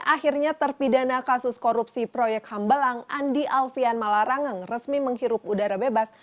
akhirnya terpidana kasus korupsi proyek hambalang andi alfian malarangeng resmi menghirup udara bebas